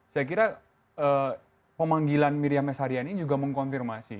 saya kira pemanggilan miriam esaryani juga mengkonfirmasi